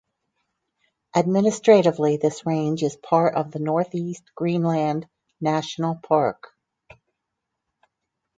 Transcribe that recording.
Administratively this range is part of the Northeast Greenland National Park.